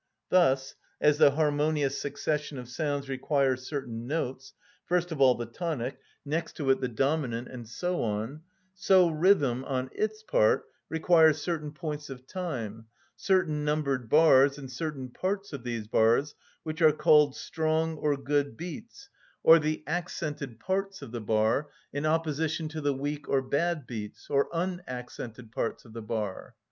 Thus, as the harmonious succession of sounds requires certain notes, first of all the tonic, next to it the dominant, and so on, so rhythm, on its part, requires certain points of time, certain numbered bars, and certain parts of these bars, which are called strong or good beats, or the accented parts of the bar, in opposition to the weak or bad beats, or unaccented parts of the bar.